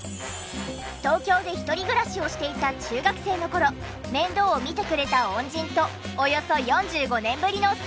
東京で一人暮らしをしていた中学生の頃面倒を見てくれた恩人とおよそ４５年ぶりの再会！